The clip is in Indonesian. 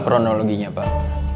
nah kronologinya pak